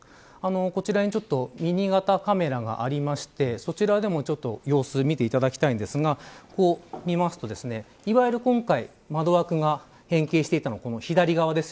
こちらにミニ型カメラがありましてそちらでも様子を見ていただきたいんですがいわゆる今回窓枠が変形していた左側です。